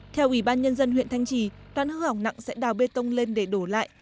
theo ubnd huyện thanh trì đoạn hư hỏng nặng sẽ đào bê tông lên để đổ lại